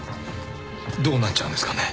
どうなっちゃうんですかね